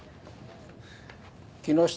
木下。